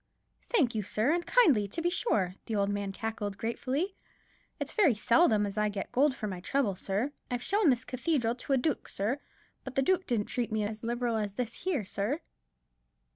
"Thank you, sir, and kindly, to be sure," the old man cackled, gratefully. "It's very seldom as I get gold for my trouble, sir. I've shown this cathedral to a dook, sir; but the dook didn't treat me as liberal as this here, sir."